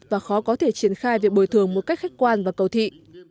và khó có thể triển khai việc bồi thường một cách khách quan và cầu thị